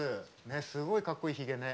すごいかっこいいひげね。